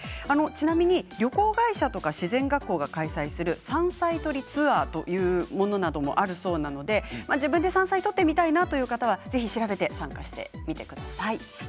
ちなみに旅行会社とか自然学校が開催する山菜採りツアーというものなどもあるそうなので自分で山菜を採ってみたいなという方はぜひ調べて参加してみてください。